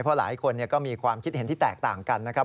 เพราะหลายคนก็มีความคิดเห็นที่แตกต่างกันนะครับ